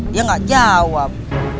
dia gak jawab